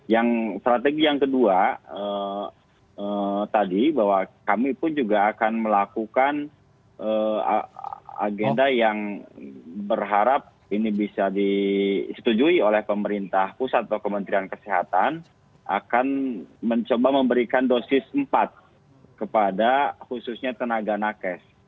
yang strategi yang kedua tadi bahwa kami pun juga akan melakukan agenda yang berharap ini bisa disetujui oleh pemerintah pusat atau kementerian kesehatan akan mencoba memberikan dosis empat kepada khususnya tenaga nakes